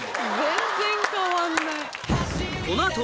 全然変わんない。